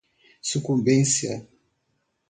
sucumbência